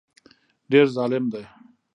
ډېر ظالم دی